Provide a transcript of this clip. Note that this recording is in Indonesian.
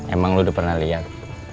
emang lu udah pernah liat